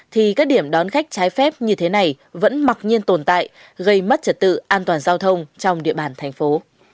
thì các điểm đón khách trái phép như thế này vẫn mặc nhiên tồn tại gây mất trật tự an toàn giao thông trong địa bàn thành phố